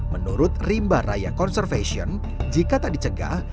menurut rimba raya conservation jika tak dicegah